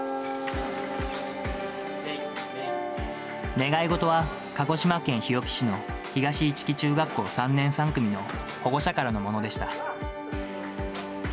願い事は鹿児島県日置市の東市来中学校３年３組の保護者からのものでした。